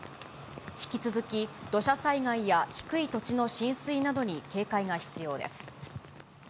引き続き、土砂災害や低い土地の浸水などに警戒が必要です。